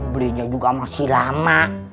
belinya juga masih lama